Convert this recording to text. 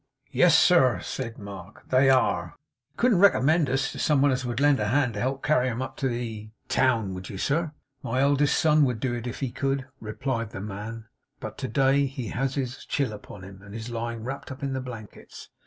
'Yes, sir,' said Mark, 'they are. You couldn't recommend us some one as would lend a hand to help carry 'em up to the to the town, could you, sir?' 'My eldest son would do it if he could,' replied the man; 'but today he has his chill upon him, and is lying wrapped up in the blankets.